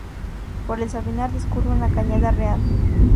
Por el Sabinar discurre una cañada real.